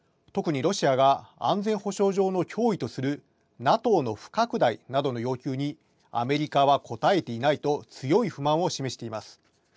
特にロシアが安全保障上の脅威とするＮＡＴＯの不拡大などの要求にアメリカは応えていないと強い不満を示しています。